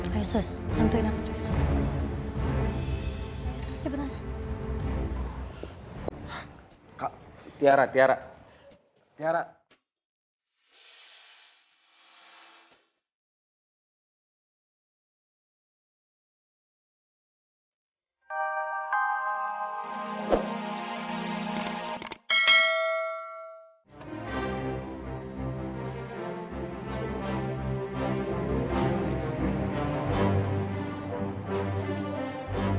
ayo sus bantuin aku cepetan